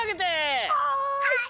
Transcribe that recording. はい！